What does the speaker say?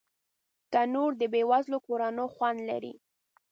تنور د بې وزلو کورونو خوند لري